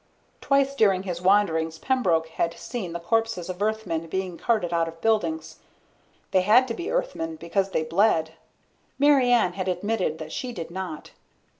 Twice during his wanderings Pembroke had seen the corpses of Earthmen being carted out of buildings. They had to be Earthmen because they bled. Mary Ann had admitted that she did not.